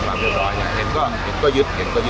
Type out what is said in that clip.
เพราะว่าเมืองนี้จะเป็นที่สุดท้าย